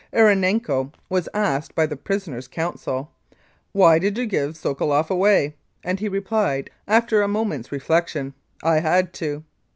Erenenko was asked by the prisoners* counsel, " Why did you give Sokoloff away ?" and he replied, after a moment's reflection, " I had to."